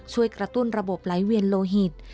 ช่วยกระตุ้นระบบไหลเวียนโลหิต